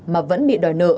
mà vẫn bị đòi nợ